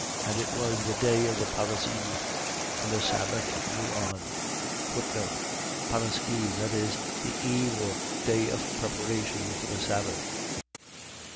23:54. And it was the day of the Parasceve: and the sabbath drew on. Parasceve. . .That is, the eve, or day of preparation for the sabbath.